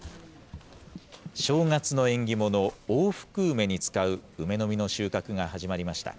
正月の縁起物、大福梅に使う梅の実の収穫が始まりました。